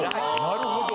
なるほど。